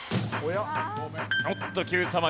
おっとＱさま！！